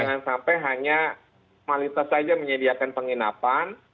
jangan sampai hanya malitas saja menyediakan penginapan